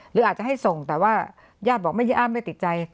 หรืออาจจะให้ส่งแต่ว่าญาติบอกไม่ใช่อ้ามไม่ติดใจ